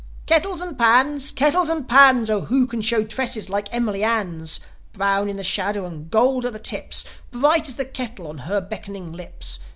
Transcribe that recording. "Kettles and pans! Kettles and pans! Oh, who can show tresses like Emily Ann's? Brown in the shadow and gold at the tips, Bright as the smile on her beckoning lips.